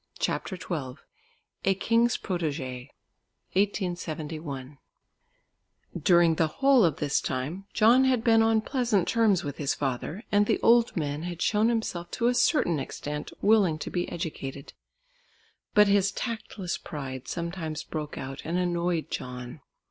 CHAPTER XII A KING'S PROTÉGÉ (1871) During the whole of this time, John had been on pleasant terms with his father, and the old man had shown himself to a certain extent willing to be educated, but his tactless pride sometimes broke out and annoyed John.